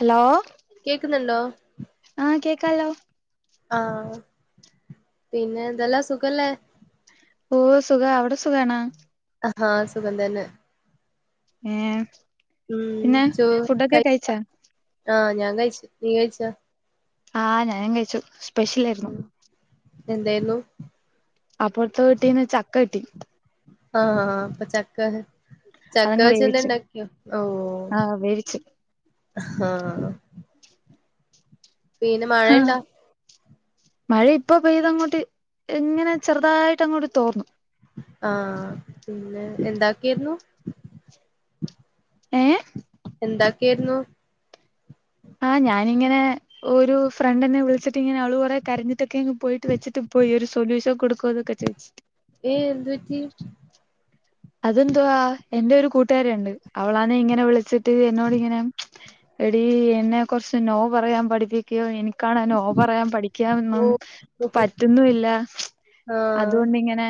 Hello കേക്കുന്നുണ്ടോ ആഹ് കേക്കാലോ ആഹ പിന്നെ എന്തെല്ലാം സുഖല്ലേ ഓഹ സുഖ അവിടെ സുഖണ ഹ സുഖം തന്നെ ഏ ഉം പിന്നെ ചോ ഫുഡൊക്കെ കഴിച്ച കഴിച്ചാ ആഹ് ഞാൻ കഴിച്ചു നീ കഴിച്ച ആഹ് ഞാനും കഴിച്ചു സ്പെഷ്യൽ ആായിരുന്നു ഉം എന്തായിരുന്നു അപ്പറത്തെ വിട്ടീന്ന് ചക്ക കിട്ടി ആഹ് അപ്പ ചക്ക അതങ്ങ് ചക്കവച്ച എന്താ വേവിച്ച് ഉണ്ടാക്കിയോ ഓ ആഹ് വേവിച്ച് ആഹ പിന്നെ ആഹ് മഴയുണ്ടാ മഴ ഇപ്പ പെയ്ത് അങ്ങോട്ട് എങ്ങനെ ചെറുതായിട്ട് അങ്ങോട്ട് തോർന്നു ആഹ പിന്നെ എന്താക്കിരുന്നു ഏ എന്താക്കെയയിരുന്നു ആ ഞാനിങ്ങനെ ഒരു ഫ്രണ്ട്ന്നെ വിളിച്ചിട്ട് ഇങ്ങനെ അവള് കുറെ കരഞ്ഞിട്ടൊക്കെങ് പോയിട്ട് വെച്ചിട്ട് ഒരു സൊല്ൂഷ കൊടുക്കോതൊക്കെ ചോദിച്ചട്ട് ഏയ് എന്തു പറ്റി അതെന്തുവാ എൻറെ ഒരു കൂട്ടുകാരി ഉണ്ട് അവളാന്ന് ഇങ്ങനെ വിളിച്ചിട്ട് എന്നോട്ങ്ങനെ എടി എന്നെ കുറച്ച് നോ പറയാൻ പഠിപ്പിക്കോ എനിക്ക് കാണൻ ഓ നോ പറയാൻ പഠിക്കൻ ഓ ഒന്നും ഓഹോ പറ്റുന്നുല്ല ആഹ് അതുകൊണ്ടിങ്ങനെ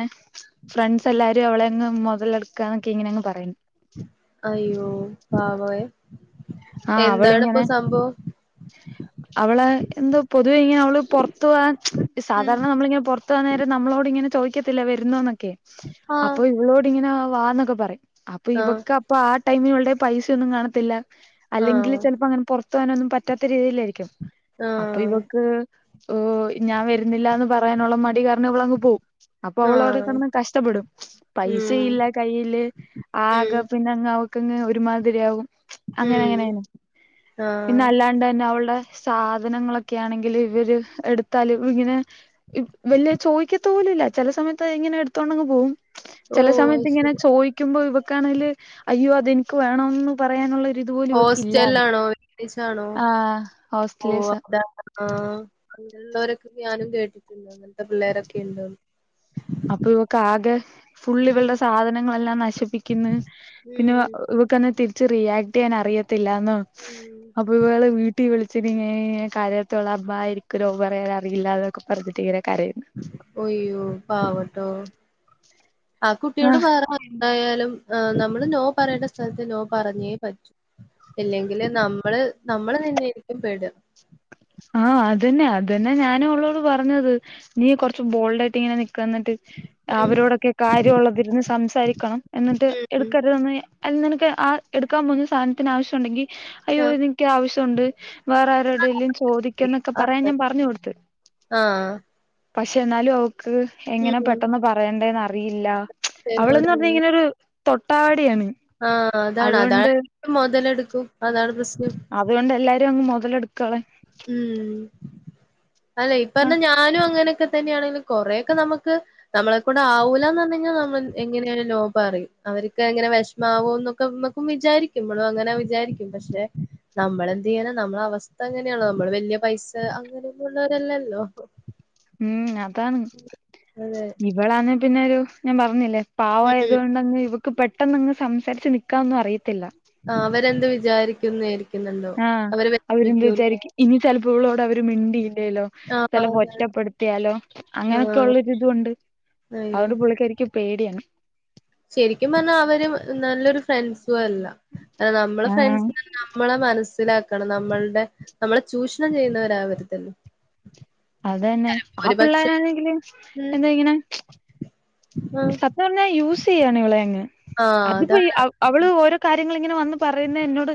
ഫ്രണ്ട്സ് എല്ലാരും അവള അങ്ങ് മുതലെടുക്കാ എന്നൊക്കെ ഇങ്ങനെ അങ്ങ് പറയുന്നു അയ്യോ പാവേ ആഹ് എന്താണ് ഇപ്പൊ അവളിങ്ങനെ സംഭവം അവള് എന്തോ പൊതുവേ ഇങ്ങനെ അവള് പുറത്തു പോവാൻ ഉം സാധാരണ നമ്മളിങ്ങനെ പുറത്ത വന്ന നേരം നമ്മളോട് ഇങ്ങന ചോദിക്കത്തിലെ വരുന്നന്നൊക്കെ ആഹ് അപ്പൊ ഇവളോട് ഇങ്ങനെ വാന്നൊക്കെ പറയും അപ്പൊ ആഹ് ഇവക്ക് അ അപ്പൊ ആ ടൈമിലവാ ടെ പൈസയൊന്നും കാണത്തില്ല അല്ലെങ്കിൽ ആഹ് ചിലപ്പോ അങ്ങനെ പുറ ത്താനൊന്നും പറ്റാത്ത രീതിയിലായിരിക്കും അപ്പൊ ആഹ് ഇവക്ക് ഓ ഞാൻ വരുന്നില്ലാന്ന് പറയാനുള്ള മടി കാരണം ഇവളങ്ങ് പോവും അപ്പൊ അവളവിടെ ആഹ് കടന്ന് കഷ്ടപ്പെടും ഉം പൈസയില്ല കയ്യില് ഉം ആകെ പിന്നെ അങ്ങ് ക്കങ്ങ് ഒരുമാതിരിയാകും അങ്ങനെ ഉം അങ്ങനെണ് പിന്നെ ആഹ് അല്ലാണ്ട് തന്നെ അവളുടെ സാധനങ്ങളൊക്കെ ആണെങ്കിൽ ഇവര് എടുത്താല് ഇവൾ ഇങ്ങനെ വലിയ ചോദിക്കത്ത പോലുംല്ല ചില സമയത്ത് എങ്ങനെ എടുത്തൊണ്ടെങ്ങ് പോകും ചില ഓഹ് അത് സമയത്ത് ഇങ്ങനെ ശരി ചോയ് ക്കുമ്പോ ഇവക്കാണെങ്കില് അയ്യോ അതെനിക്ക് വേണം എന്ന് പറയാനുള്ള ഒരു ഇത്പോലും ചെല്ലാണോ ഒരുമിച്ചാണോ ഓ ഹോസ്റ്റലേഴ്സാ ആഹ് അങ്ങനുള്ളവരൊക്കെ ഞാനം കേട്ടിട്ടുണ്ട് അങ്ങനത്തെ പിള്ളേരൊക്കെ ഉണ്ടോ അപ്പൊ ഇവക്ക് ആകെ ഫുൾ ഉം ഇവളുടെ സാധനങ്ങളെല്ലാം നശിപ്പിക്കുന്നു പിന്നെ ഉം ഇവക്കന്നെ തിരിച്ച് റിയാക്ട് ചെയ്യാൻ അറിയത്തില്ലന്നോ ഉം അപ്പൊ ഇവൾ വീട്ടിൽ വിളി കരയത്തിയുള്ളു എനിക്ക് നോ പറയാൻ അറിയില്ല എന്ന് പറഞ്ഞു ങ്ങനെ കരയും ഒയ്യോ പാവട്ടോ ആ കുട്ടിയോട് ആഹ് വേറെ എന്തായാലും ആ നമ്മള് നോ പറയേണ്ട സ്ഥലത്ത് നോ പറഞ്ഞേ പറ്റൂ ഇല്ലെങ്കില് നമ്മള് നമ്മള് തന്നൊയിരിക്കും പേടുക ആഹ് അതന്നെ അതന്നെ ഞാനും ഉള്ളോട് പറഞ്ഞത് നീ കൊറച്ചു ബോൾഡ് ആയിട്ട് ഇങ്ങനെ നിക്ക എന്നിട്ട് ഉം അവരോട് ക്കെ കാര്യമുള്ളള്ളതിന്ന് സംസാരിക്കണം എന്നിട്ട് ഉം എടുക്കരുതന്ന് അ നിനക്ക് ആ എടുക്കാൻ പോകുന്ന സാധനത്തിന് ആവശ്യമുണ്ടെങ്കിൽ ആഹ് അയോദനയ്ക്ക് ആവശ്യമുണ്ട് വേറെ ആരുടെങ്കും ചോദിക്ക എന്നൊക്കെ പറയാൻ അതെ ഞാൻ പറഞ്ഞു കൊടുത്ത് ആഹ് പക്ഷെ എന്നാലും അവക്ക് എങ്ങനെ ഉം പെട്ടെന്ന് പറയണ്ടേന്ന് അറിയില്ല അവളന്ന് പറഞ്ഞ ചെലോരങ്ങനെ ഇങ്ങനെരു തൊട്ടവാടിയാണ് ആഹ് അതാണ് അതാണ് മുതലെടുക്കും അതാണ് പ്രശ്നം അതുകൊണ്ട് എല്ലാരും അങ്ങ് മുതലെടുക്കളെ ഉം അല്ലെ ഇപ്പ പറഞ്ഞാ ഞാനും അങ്ങനെയക്കെ തന്നെയാണെങ്കിൽ കുറൊക്കെ നമുക്ക് നമ്മളെക്ക കൊണ്ട് ആവൂലന്ന് പറഞ്ഞ കഴിഞ്ഞാൽ നമ്മൾ എങ്ങനെയ നോ പറയും അവർക്ക് എങ്ങനെ വിഷ മാവോന്നൊക്കെ നക്കും വിചാരിക്കുമ്പോളും അങ്ങനെ വിചാരിക്കും പക്ഷെ നമ്മള എന്ത് ചെയ്യാന നമ്മള അവസ്ഥ അങ്ങനെയാണോ നമ്മള് വലിയ പൈസ അങ്ങനെയൊന്നള്ളവരെല്ലല്ലോ ഉം അതാണ് അതെ ഇവളാന്ന പിന്നെ ഒരു ഞാൻ പറഞ്ഞില്ലേ ഉം പാവമായതുകൊണ്ട്ങ്ങ് ഇവക്ക് പെട്ടെന്ന്ങ്ങ് സംസാരിച്ച് നൽക്കാൊന്നും അറിയത്തില്ല ആഹ് അവരെന്ത് വിചാരിക്കുന്നാരിക്കും ആഹ് അവരെന്ത് വിചാരിക്കും ഇനി ചെലപ്പോ ഇവളോടവര് മിണ്ടിയില്ലേലോ ആഹ് ചിലപ്പോ അതാണ് ഒറ്റപ്പെടുത്തിയാലോ ആഹ് അങ്ങനെയൊക്കൊള്ളൊരിതൊണ്ട് അയ്യോ അതുകൊണ്ട് പുള്ളിക്കാരിക്ക് പേടിയാണ് ശരിക്കും പറഞ്ഞാ അവര് നല്ലൊരു ഫ്രണ്ട്സുവല്ല നമ്മളെ ആഹ് ഫ്രണ്ട്സ്ന്നു പറഞ്ഞാ നമ്മളെ മനസ്സിലാക്കണം നമ്മളുടെ നമ്മളെ ചൂഷണം ചെയ്യുന്നവരാവരുതല്ലോ അതന്നെ ആ ഒരുപക്ഷെ പിള്ളേരാണെങ്കില് ഉം എന്താ ഇങ്ങനെ ആഹ് സത്യം പറഞ്ഞാ യൂസ് ചെയ്യാണ് ഇവിളെയങ്ങ് ആഹ് അതിപ്പോ ഈ അതാണ് അവ അവള് ഓരോ കാര്യങ്ങളിങ്ങനെ വന്ന് പറയുന്ന എന്നോട്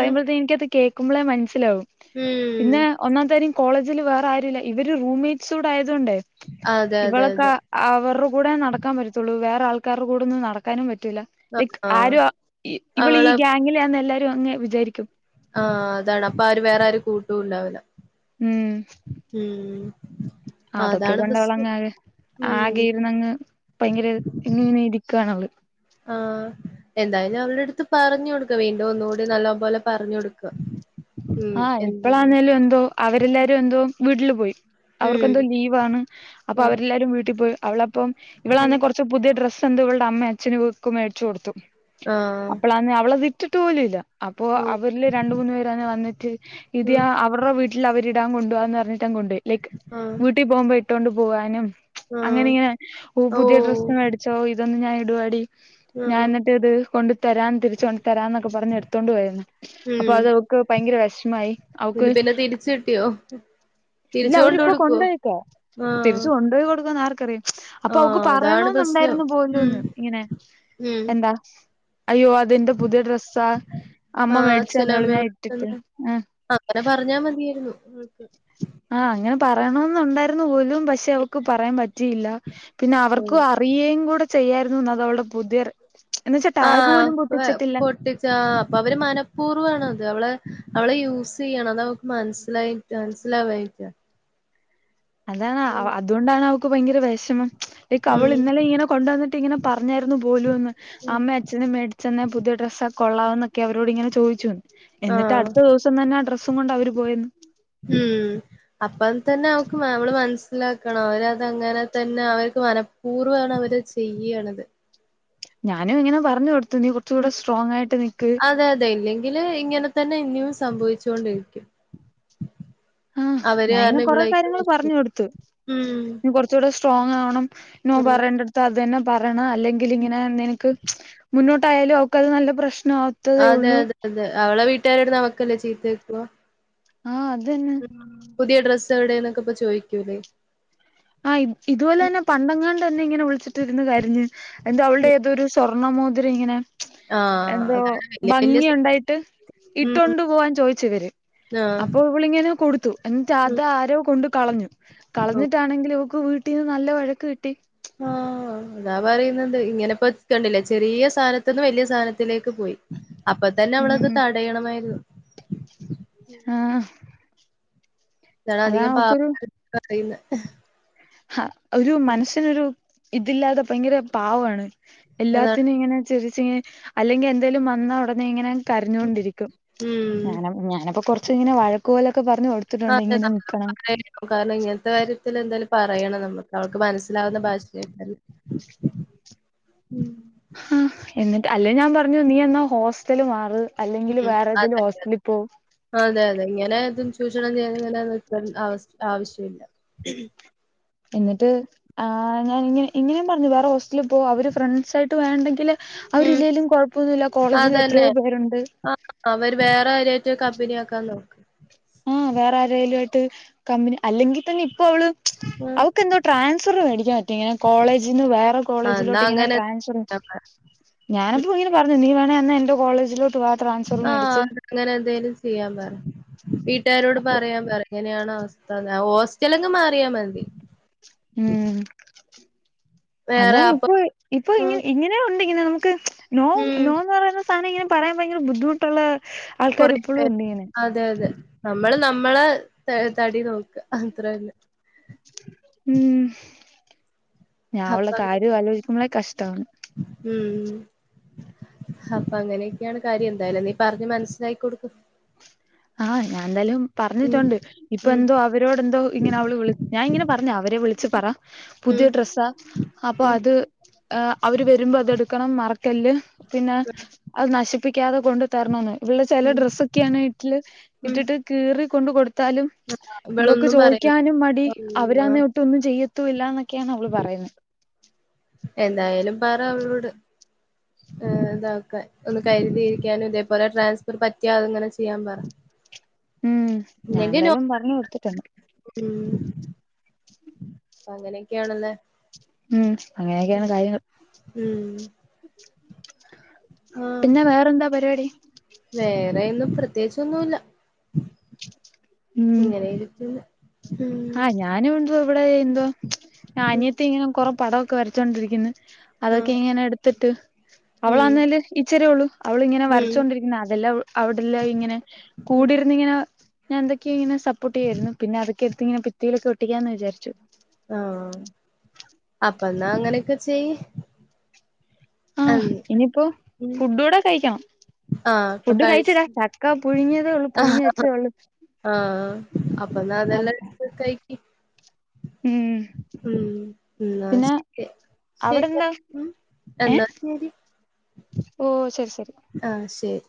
ഉം എനിക്കത് കേൾക്കുമ്പോളേ മനസ്സിലാവും ഉം പിന്നെ ഒന്നാമത്തെകാര്യം കോളേജില് വേറാരുല്ല ഇവര് റൂംമേറ്റ്സൂടെ ആയത്കൊണ്ടേ അതെ അതെ ഇവളൊക്ക അതെ അവർടെ കൂടെ നട ക്കാൻ പറ്റത്തൊള്ളൂ വേറാൾക്കാര്ടെ കൂടൊന്നും നടക്കാനും പറ്റൂല്ല ലൈക്ക് ആഹ് ആര ഇവള് ഈ അവളെ ഗാങ്ങിലെയാന്ന് എല്ലാരും അങ്ങ് വിചാരിക്കും ആഹ് അതാണ് അപ്പൊ ആര് വേറാരും കൂട്ടും ഉണ്ടാവില്ല ഉം ഉം ഉം ആഹ് അതൊക്കെ കൊണ്ടവളങ്ങാകെ ഉം ആകെയിരുന്നങ്ങ് ഭയങ്കര ഇങ്ങനെ ഇരിക്കുവാണവള് ആഹ് എന്തായാലും അവൾടെ അടുത്ത് പറഞ്ഞു കൊടുക്കുക വീണ്ടും ഒന്നുകൂടി നല്ലോം പോലെ പറഞ്ഞു കൊടുക്ക ഉം ആഹ് എന്ത് ഇപ്പളാന്നോലും എന്തോ അവരെല്ലാരും എന്തോ വീട്ടില് പോയി അവർക്കെന്തോ ഉം ലീവാണ് അപ്പൊ ആഹ് അവരെല്ലാരും വീട്ടി പോയി അവളപ്പം ഉം ഇവളാന്നെ കൊറച്ച് ച്ചു പുതിയ ഡ്രസ്സ് എന്തോ ഇവൾടെ അമ്മേം അച്ചനും ഇവൾക്ക് മേടിച്ചു കൊടുത്തു ആഹ് അപ്പളാന്നെ അവളത് ഇ ട്ടിട്ട് പോലുവില്ല അപ്പൊ ഓ അവരില് രണ്ട് മൂന്ന് പേരാണേ വന്നിട്ട് ഇത് ആഹ് ആ അവർടെ വീട്ടില് അവരിടാൻ കൊണ്ടുപോവാന്നു പറഞ്ഞിട്ടങ്ങ് കൊണ്ടുപോയി ലൈക്ക് ആഹ് വീട്ടി പോകുമ്പോ ഇട്ടോണ്ട് പോകാനും അങ്ങനെ ആഹ് ഇങ്ങനെ ഓ പുതിയ ഓഹ് ഡ്രസ് മേടിച്ചോ ഇതൊന്ന് ഞാൻ ഇടുവാടി ഞാൻ ആഹ് എന്നിട്ട് ഇത് കൊണ്ട് തരാം തിരിച്ചുകൊണ്ട് തരാന്നൊക്കെ പറഞ്ഞ് എടുത്തോണ്ട് പോയിരുന്നു ഉം ഭയങ്കര വിഷമായി അവക്ക് എന്നിട്ട് അ പിന്നെ തിരിച്ച് കിട്ടിയോ ഇല്ല തിരിച്ച് കൊണ്ട് അവരിപ്പൊ കൊടുക്കുവോ കൊണ്ടൊയേക്കാ ആഹ് തിരിച്ചു കൊണ്ടുപോയി കൊടുക്കുവോന്ന് ആർക്കറിയാം അപ്പൊ അവക്ക് ആഹ് അതാണ് പ്രശ്നം പറയണോന്നൊണ്ടാരുന്നു ഉം [unintelligible] ഇങ്ങനെ ഉം എന്താ അയ്യോ അത് ന്റെ പുതിയ ഡ്രസ്സാ അമ്മ മേടിച്ചന്നേ ഒള്ളു ഞാൻ ഇ എന്താ അങ്ങനെ പറഞ്ഞാ മതിയാരുന്നു ആഹ് അങ്ങനെ പറയണോന്നൊണ്ടാരുന്നു പോലും പക്ഷെ അവക്ക് പറയാൻ പറ്റിയില്ല പിന്നെ അവർക്കു ഉം അ അറിയേം കൂടെ ചെയ്യായിരുന്നുന്ന് അതവൾടെ പുതിയ എന്ന് വച്ചാ ടാഗ് പോലും പൊട്ടിച്ചിട്ടില്ല പൊട്ടിച്ചാ ആഹ് അപ്പൊ അവര് മനഃപൂർവ്വാണത് അവളെ അവളെ യൂസ് ചെയ്യാണത് അവക്ക് മനസ്സിലായി മൻസിലാവായിട്ട അതാണ് അവ അതുകൊണ്ടാണ് അവക്ക് ഭയങ്കര വെഷമം ലൈക്ക് ഉം അവളിന്നലെ ഇങ്ങനെ കൊണ്ടുവന്നിട്ട് ഇങ്ങനെ പറഞ്ഞാരുന്നു പോലൂന്ന് ഉം അമ്മേം അച്ഛനും മേടിച്ച് തന്ന പുതിയ ഡ്രസ്സാ കൊള്ളാവന്നൊക്കെ അവരോടിങ്ങനെ ചോദിച്ചുന്ന് എന്നിട്ട് ആഹ് അടുത്ത ദിവസം തന്നെ ആ ഡ്രസ്സും കൊണ്ട് അവര് പോയന്ന് ഉം അപ്പം തന്നെ അവക്ക് മാ അവള് മനസ്സിലാക്കണം അവരതങ്ങനെ തന്നെ അവർക്ക് മന പൂർവ്വാണ് അവരത് ചെയ്യണത് ഞാനും ഇങ്ങനെ പറഞ് കൊടുത്തു നീ കൊർച്ചൂടെ സ്ട്രോങ്ങായിട്ട് അതെ അതെ ഇല്ലെങ്കില് ഇങ്ങനെ തന്നെ ഇനിയും സംഭവിച്ചോണ്ടിരിക്കും ആഹ് അവര് ഞാന ഇനെ കാരണം കൊറെ ഇവളേക്ക് കാര്യങ്ങൾ പറഞ്ഞു വിഷമിക്കും. കൊടുത് ഉം ന്നി കൊർ ച്ചൂടെ സ്ട്രോങ്ങാവണം നോ പറയേണ്ടട്ത് ത്തത് തന്നെ പറയണം അല്ലെങ്കിൽ ഇങ്ങനെ നിനക്ക് മുന്നോട്ടായാലും അവക്കത് നല്ല പ്രശ്നാ അതെ അതെ അതെ അവളെ വീട്ടുകാരെട്ത്ത്‌ന്ന് അവക്കല്ലേ ചീത്തേ കേക്കുവാ ആഹ് അതൻ പുതിയ ഡ്രസ്സെ വിടെന്നൊക്കെപ്പ ചോദിക്കൂലെ ആഹ് ഇതുപോലെ തന്നെ പണ്ടങ്ങാണ്ട് എന്നെ ഇങ്ങനെ വിളിച്ചിട്ട് ഇരുന്ന് കരഞ്ഞ് എന്താ അവൾടെ ഉം ഏതൊരു സ്വർണ മോതിര ഇങ്ങനെ ആഹ് എന്തോ അതാണ് വല്യ വല്യ ഭംഗിയുണ്ടായിട്ട് ഉം ഇട്ടൊണ്ട് പോവാൻ ചോയ്ച്ചി വര് ആഹ് അപ്പൊ അവളിങ്ങനെ കൊടുത്തു എന്നിട്ട് ഉം അത് ആരോ കൊണ്ട് കളഞ്ഞു ഓ കളഞ്ഞിട്ട് ആണെങ്കിൽ ഇവക്ക് വീട്ടീന്ന് നല്ല വഴക്ക് കിട്ടി ആഹ് അതാ പറയുന്നത് ഇങ്ങനെ പ്പൊ കണ്ടിലെ ചെറിയ സാനത്ത്ന്ന് വല്യ സാനത്തിലേക്ക് പോയി അപ്പ തന്നവളത് ഉം തടയണമായിരുന്നു ആഹ് താണ് അധികം പാവം [inaudible] പറയുന്നേ ആഹ് ഒരു മനസ്സിനൊരു ഇതില്ലാതെ ഭയങ്കര പാവ ആണ് അതാണ് എല്ലാത്തിനും ഇങ്ങനെ ചിരിച്ചിങ്ങനെ അല്ലെങ്കി എന്തേലും വന്ന ഉടനെ ഇങ്ങനെ കരഞ്ഞോണ്ടിരിക്കും. ഉം ഞാന ഞാനപ്പോ കൊറച്ചിങ്ങനെ വഴക്ക്പോലൊക്കെ പർഞ്ഞ്കൊടു ആഹ് അതെ നല്ല പറെ [unintelligible] കാരണം ഇങ്ങൻത്ത കാര്യത്തിൽ എന്തായാലും പറയണം നമ്മക്ക് അവൾക്ക് മനസ്സിലാവുന്ന ഭാഷയിൽ തന്നെ ഉം ഹാഹ് എന്നിട്ട് അല്ലേ ഞാൻ പറഞ്ഞു നീ എന്നാ ഹോസ്റ്റല് മാറ് അല്ലെങ്കില് ഉം വേറേതേലും അതെ ഹോസ്റ്റലി പോ അതെ അതെ, ഇങ്ങനെ തും ചൂഷണം ചെയ്യുന്നങ്ങനെ നിൽക്ക അവസ് ആവിശ്യവില്ല എന്നിട്ട് ആഹ് ഞാനിങ്ങനെ ഇങ്ങനെയും പറഞ്ഞു വേറെ ഹോസ്റ്റലിൽ പോ അവര് ഫ്രണ്ട്സായിട്ട് വേണ്ടെങ്കില് ഉം അവരില്ലേലും കൊഴപ്പൊന്നുല്ല അതന്നെ കോളേജിലെത്രയോ പേരുണ്ട് ആഹ് അവര് വേറെ ആരായിട്ട് കമ്പനിയാക്കാൻ നോക് ആഹ് വേറെ ആരേലും ആയിട്ട് കമ്പനി അല്ലെങ്കിൽ തന്നെ ഇപ്പൊ അവള് ഉം അവക്കെന്തോ ട്രാൻസ്ഫർ മേടിക്കാൻ പറ്റും ഇങ്ങനെ കോളേജിൽന്ന് വേറെ എന്നാ കോളേജിലോട്ടിങ്ങനെ അങ്ങനെ ട്രാൻഫർ [unintelligible] ഞാനപ്പം ഇങ്ങന പറഞ്ഞു നീ വേണെ എന്നാ എന്റെ കോളേജിലോട്ട് വ ആഹ് അതങ്ങനെന്തേലും ചെയ്യാം പറയ്. വീട്ടുകാരോട് അപ്പൊ പറയാം പറയ് ങ്ങനെയാണ് അവസ്ഥന്ന് ഹോസ്റ്റലങ് മാറിയാൽ മതി ഉം വേറെ അതാണ് അപ്പൊ ഇപ്പൊ ഇപ്പൊ ഇങ്ങ ഉം ഇങ്ങനേഉണ്ട് ഇങ്ങനെ നമുക്ക് നോ ഉം നോന്ന് പറയുന്ന സാന ഇങ്ങനെ പറയാ ഭയങ്കര ബുദ്ധിമുട്ടുള്ള ആൾക്കാർ കൊറേ ഇപ്പോഴും പേ ഉണ്ട് ഇങ്ങനെ അഹ് അതെ അതെ നമ്മള് നമ്മളെ തടി നോക്ക അത്ര തന്നെ ഉം ഞാ അപ്പ അവൾടെ അങ്ങനെ കാര്യ ആലോജിക്കുമ്പളെ കഷ്ട്ടവാണ് ഉം ഉം അപ്പങ്ങനെയൊക്കെയാണ് കാര്യം എന്തായാലും നീ പറഞ്ഞ് മനസ്സിലാക്കി കൊടുക്ക് ആഹ് ഞാൻ എന്തായാലും ഉം പറഞ്ഞിട്ടുണ്ട് ഇപ്പൊ ഉം എന്തോ അവ അവരോട്ന്തോ ഇങ്ങനെ അവള് വിളി ഞാ ഇങ്ങനെ പറഞ് അവരെ വിളച്ച് പറ ഉം പുതിയ ട്രസ്സാ അപ്പൊ ഉം അത് ആഹ് അവര് വരുമ്പോ അതെടുക്കണം മറക്കല് പിന്നെ അത് നശിപ്പിക്കാതെ കൊണ്ട് തരണംന്ന് ഇവിടെ ചില ഉം ഡ്രസ്സൊക്കെയാണെ ട്ടില് ഉം ഇട്ടിട്ട് കീറി കൊണ്ട് കൊടുത്താലും ഇവക്ക് ഇവളൊന്നും പറയൂല ചോദിക്കാനും മടി ആ. അവരാന്നെ ട്ടൊന്നും ചെയ്യത്തൂല്ല എന്നൊക്കെയാണ് അവള് പറയുന്നെ എന്തായാലും പറ അവളോട് ആഹ് ഇതാക്കാൻ ഒന്ന് കരുതിയിരിക്കാനും ഇതേപോലെ ട്രാൻസ്ഫർ പറ്റിയ അത്ങ്ങനെ ചെയ്യാൻ പറ ഉം ഞാൻ എന്തായാലും പറഞ്ഞു കൊടുത്തിട്ടണ്ട് ഉ അങ്ങനെയൊക്കെയാണല്ലെ ഉം അങ്ങനെയൊക്കെയാണ് കാര്യങ്ങൾ ഉം പിന്നെ വേറെ എന്താ പരിപാടി വേറെയിന്നു പ്രത്യേകിച്ചൊന്നുല്ല ഉം ഇങ്ങനെ ഇരിക്കുന്നു മ് ആഹ് ഞാനും വണ്ടോ ഇവിടെ എന്തോ ഞ ഉം അനിയത്തി ഇങ്ങനെ കൊറേ പടോക്കെ വരച്ചോണ്ടിരിക്കുന്നു അതൊക്കെ ആഹ് ഇങ്ങനെ എടുത്തിട്ട് ഉം അവളാന്നേല് ഇച്ചിരിയേ ഉള്ളു അവളിങ്ങനെ ഉം വരച്ചുകൊണ്ടിരിക്കുന്ന അതെല്ലാം അവിടെല്ലാം ഇങ്ങനെ ഉം കൂടിരുന്നിങ്ങനെ ഞാ എന്തൊക്ക ഇങ്ങനെ സപ്പോട്ട് ചെയ്യായിരുന്നു പിന്ന അതൊക്കെടുത്ത് ഇങ്ങനെ ഭിത്തിയിലൊക്കെട്ടിക്കാന്ന് വിചാരിച്ചു ആഹ് അപ്പ എന്നാ അങ്ങനെയൊക്കെ ചെയ് ആഹ് ഇനിയിപ്പോ ഉം ഫുടൂടെ കഴിക്കണം ആഹ് ഇപ്പൊ ഫുഡ് കഴിച്ച് കഴിച്ചരാ ചക്ക പുഴുങ്ങിയതേ ഉള്ള് ആഹ് പുഴുങ്ങി വെച്ചതേ ഉള്ള് ആഹ് അപ്പന്നാ അതെല്ലാം എടുത്ത് കഴിക്ക് ഉം ഉം എന്ന പിന്നെ ശരി അവിടെ ശരി എന്താ മ് ഏ എന്നാ ശരി ഓ ശരി ശരി ആഹ് ശരി